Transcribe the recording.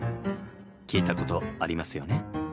聞いたことありますよね？